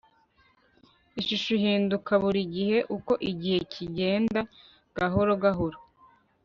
ishusho ihinduka buri gihe uko igihe kigenda gahoro gahoro